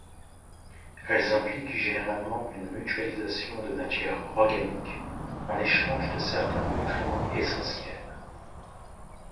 Elles impliquent généralement une mutualisation de matière organique en échange de certains nutriments essentiels.